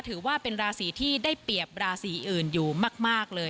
ถือว่าเป็นราศีที่ได้เปรียบราศีอื่นอยู่มากเลย